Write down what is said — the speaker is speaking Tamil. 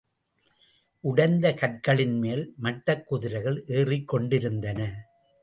உடைந்த கற்களின்மேல், மட்டக் குதிரைகள் ஏறிக்கொண்டிருந்தன.